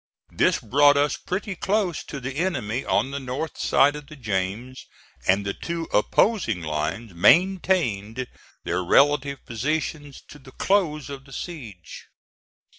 This brought us pretty close to the enemy on the north side of the James, and the two opposing lines maintained their relative positions to the close of the siege.